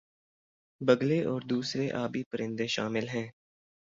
بگلے اور دوسرے آبی پرندے شامل ہیں